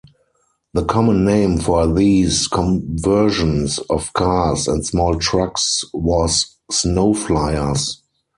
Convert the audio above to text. The common name for these conversions of cars and small trucks was "snowflyers".